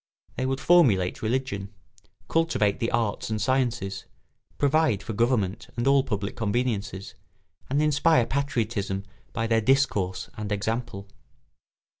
They would formulate religion, cultivate the arts and sciences, provide for government and all public conveniences, and inspire patriotism by their discourse and example.